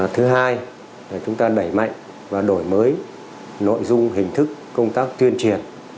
thứ hai chúng ta đẩy mạnh và đổi mới nội dung hình thức công tác tuyên truyền